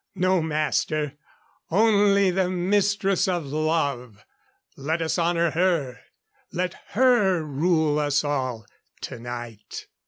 No Master only the Mistress of Love. Let us honor her. Let her rule us all tonight."